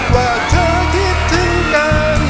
ว่าเธอคิดถึงกัน